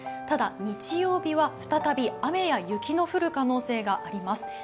ただ日曜日は再び雨や雪の降る可能性があります。